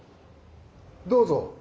・どうぞ。